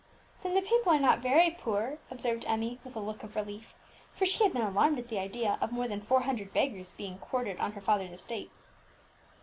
"Then the people are not very poor," observed Emmie, with a look of relief; for she had been alarmed at the idea of more than four hundred beggars being quartered on her father's estate.